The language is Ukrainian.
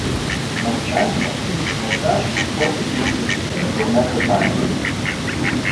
Мовчання - найкращий спосіб відповісти на дурне питання.